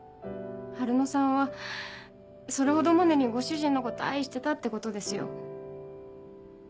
春乃さんはそれほどまでにご主人のこと愛してたってことですよ。